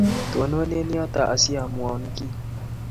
Tono en yoto asiamwoun kiy.